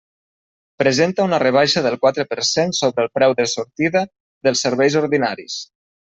Presenta una rebaixa del quatre per cent sobre el preu de sortida dels serveis ordinaris.